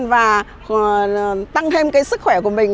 và tăng thêm cái sức khỏe của mình